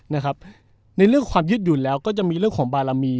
นะครับในเรื่องความยืดหยุ่นแล้วก็จะมีเรื่องของบารมี